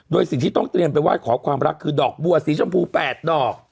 โดยสิ่งที่ต้องเตรียมไปไหว้ขอความรักคือดอกบัวสีชมพู๘ดอก